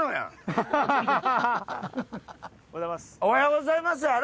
おはようございます。